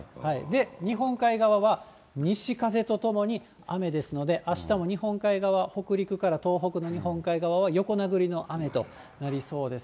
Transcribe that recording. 日本海側は西風とともに、雨ですので、あしたも日本海側、北陸から東北の日本海側は、横殴りの雨となりそうです。